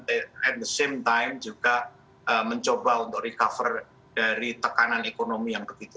dan pada saat yang sama juga mencoba untuk recovery dari tekanan ekonomi